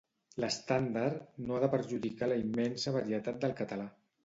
L'estàndard no ha de perjudicar la immensa varietat del català.